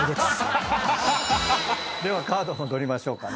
ではカード戻りましょうかね。